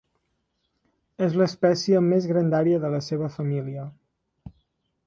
És l'espècie amb més grandària de la seva família.